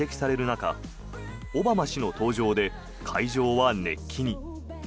中オバマ氏の登場で会場は熱気に。